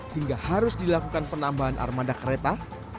hingga harus dilakukan penambahan armada kereta